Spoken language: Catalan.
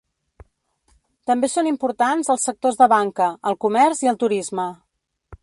També són importants els sectors de banca, el comerç i el turisme.